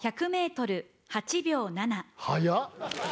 速っ。